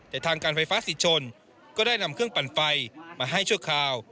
แต่ทางการไฟฟ้าสิทชนก็ได้นำเครื่องปั่นไฟมาให้ชั่วคราว